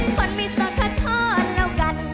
คนไม่โสดขอโทษแล้วกัน